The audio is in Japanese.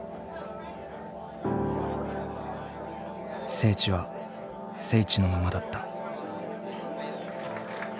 聖地は聖地のままだった。